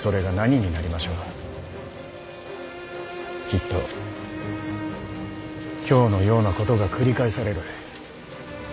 きっと今日のようなことが繰り返される。